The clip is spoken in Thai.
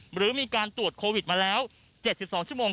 หรือมีการตรวจโควิดมาแล้ว๗๒ชั่วโมง